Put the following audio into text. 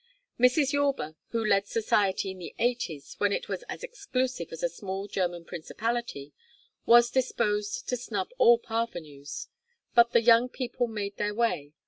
Mrs. Yorba, who led society in the Eighties, when it was as exclusive as a small German principality, was disposed to snub all parvenus. But the young people made their way.